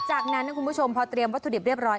จากนั้นนะคุณผู้ชมพอเตรียมวัตถุดิบเรียบร้อย